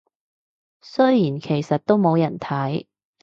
雖然其實都冇人睇